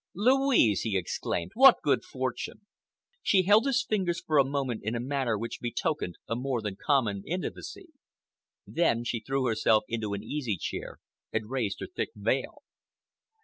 "Louise!" he exclaimed. "What good fortune!" She held his fingers for a moment in a manner which betokened a more than common intimacy. Then she threw herself into an easy chair and raised her thick veil.